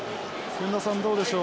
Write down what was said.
薫田さんどうでしょう？